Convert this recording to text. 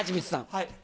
はい。